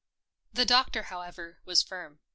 The Doctor, however, was firm.